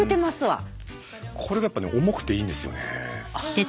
これがやっぱね重くていいんですよね。